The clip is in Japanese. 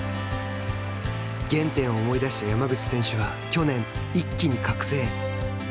原点を思い出した山口選手は去年、一気に覚醒。